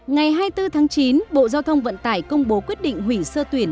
ngày hai mươi bốn tháng chín bộ giao thông vận tải công bố quyết định hủy sơ tuyển